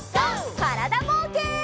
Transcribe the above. からだぼうけん。